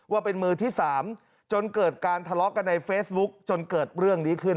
ว่าเป็นมือที่๓จนเกิดการทะเลาะกันในเฟซบุ๊กจนเกิดเรื่องนี้ขึ้น